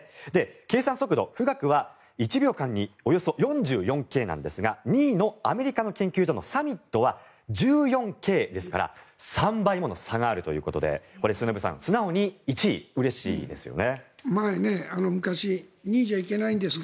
計算速度、富岳は１秒間におよそ４４京なんですが２位のアメリカの研究所のサミットは１４京ですから３倍もの差があるということで末延さん、これは素直に１位うれしいですね。